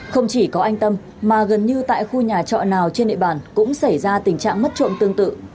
không chỉ có anh tâm mà gần như tại khu nhà trọ nào trên địa bàn cũng xảy ra tình trạng mất trộm tương tự